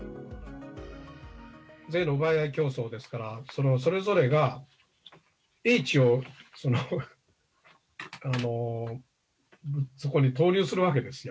税の奪い合い競争ですから、それぞれが英知をそこに投入するわけですよ。